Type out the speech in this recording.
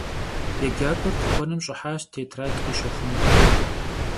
Yêcak'uer tıkuenım ş'ıhaş têtrad khişexunu.